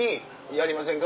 やりませんか？